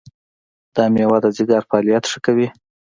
دا مېوه د ځیګر فعالیت ښه کوي.